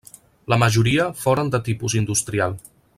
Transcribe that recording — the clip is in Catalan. La majoria foren de tipus industrial.